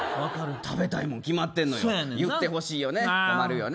食べたいもん決まってるのよ言ってほしいって思うよね。